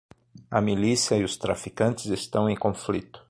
A milícia e os traficantes estão em conflito.